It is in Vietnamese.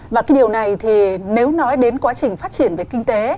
và cái điều này thì nếu nói đến quá trình phát triển về kinh tế